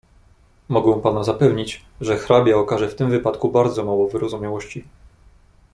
"Mogę pana zapewnić, że hrabia okaże w tym wypadku bardzo mało wyrozumiałości."